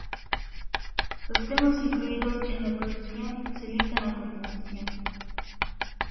Los temas incluidos en la producción se listan a continuación:.